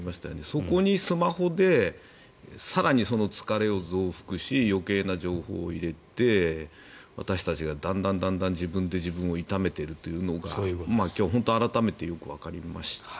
そこにスマホで更にその疲れを増幅し余計な情報を入れて私たちがだんだん自分を自分で痛めているというのが今日、本当に改めてよくわかりました。